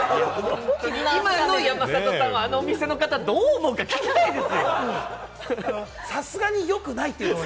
今の山里さんをあのお店の方がどう思うか聞きたいです。